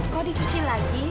kok dicuci lagi